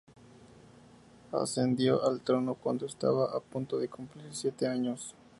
Ascendió al trono cuando estaba a punto de cumplir siete años.